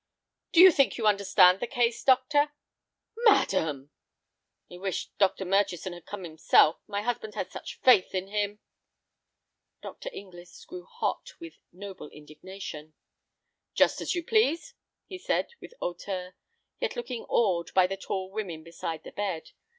"Do you think you understand the case, doctor?" "Madam!" "I wish Dr. Murchison had come himself; my husband has such faith in him." Dr. Inglis grew hot with noble indignation. "Just as you please," he said, with hauteur, yet looking awed by the tall women beside the bed.